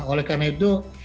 oleh karena itu